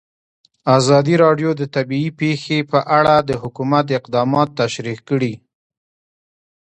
ازادي راډیو د طبیعي پېښې په اړه د حکومت اقدامات تشریح کړي.